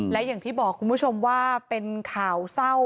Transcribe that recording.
และอย่างที่บอกคุณผู้ชมว่าเป็นข่าวเศร้า